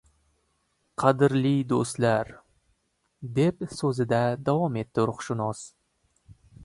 “Qadrdli doʻstlar, – deb soʻzida davom etdi ruhshunos.